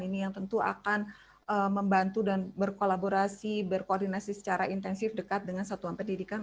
ini yang tentu akan membantu dan berkolaborasi berkoordinasi secara intensif dekat dengan satuan pendidikan